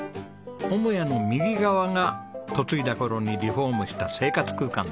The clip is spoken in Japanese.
母屋の右側が嫁いだ頃にリフォームした生活空間です。